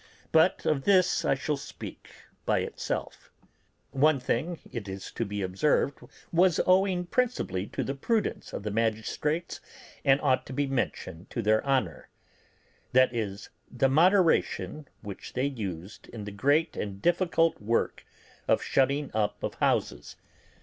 But of this I shall speak by itself. One thing, it is to be observed, was owing principally to the prudence of the magistrates, and ought to be mentioned to their honour: viz., the moderation which they used in the great and difficult work of shutting up of houses.